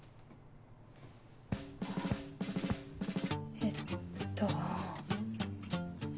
えっと。